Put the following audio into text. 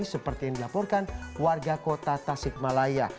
seperti yang dilaporkan warga kota tasikmalaya